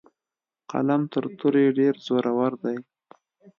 قلم تر تورې ډیر زورور دی.